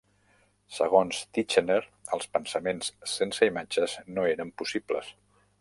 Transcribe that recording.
Segons Titchener, els pensaments sense imatges no eren possibles.